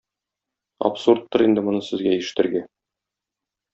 Абсурдтыр инде моны сезгә ишетергә.